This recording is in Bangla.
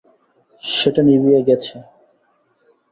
সেটা নিবিয়া গেছে।